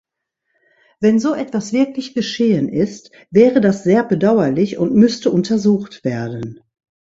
Wenn so etwas wirklich geschehen ist, wäre das sehr bedauerlich und müsste untersucht werden.